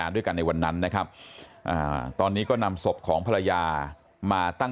ด้วยกันในวันนั้นนะครับตอนนี้ก็นำศพของภรรยามาตั้ง